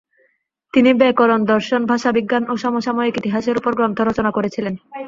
তিনি ব্যাকরণ, দর্শন, ভাষাবিজ্ঞান ও সমসাময়িক ইতিহাসের উপর গ্রন্থ রচনা করেছিলেন।